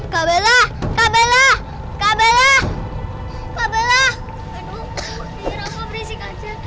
kabelah kabelah kabelah kabelah